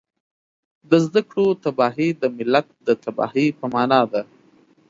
د زده کړو تباهي د ملت د تباهۍ په مانا ده